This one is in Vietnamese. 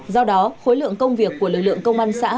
do đó khối lượng công việc của lực lượng công an xã